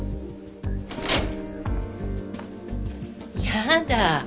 やだ